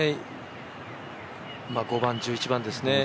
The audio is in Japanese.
５番、１１番ですね。